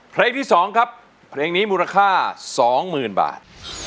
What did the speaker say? เพลงที่สองครับเพลงนี้มูลค่าสองหมื่นบาท